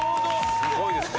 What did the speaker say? すごいですね。